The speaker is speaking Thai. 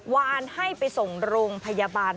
วานให้ไปส่งโรงพยาบาล